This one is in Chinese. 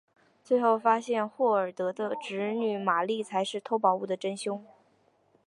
最后发现霍尔德的侄女玛丽才是偷宝物的真凶。